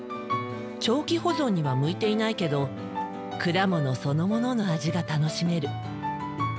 長期保存には向いていないけど果物そのものの味が楽しめる。